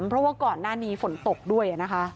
เพราะว่าก่อนหน้านี้ฝนตกด้วยนะคะ